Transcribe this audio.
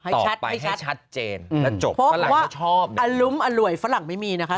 ต่อไปให้ชัดเจนแล้วจบเพราะว่าอารุมอร่วยฝรั่งไม่มีนะคะ